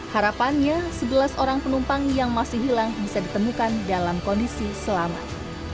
harapannya sebelas orang penumpang yang masih hilang bisa ditemukan dalam kondisi selamat